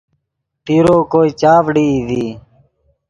پیرو کوئے چاڤڑئی ڤی